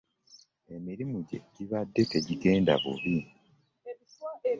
Emirimu gye gibadde tegigenda bubi.